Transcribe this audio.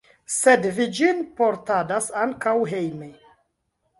Sed vi ĝin portadas ankaŭ hejme.